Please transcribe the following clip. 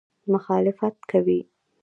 مخالفت کوي.